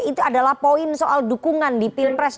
itu adalah poin soal dukungan di pilpres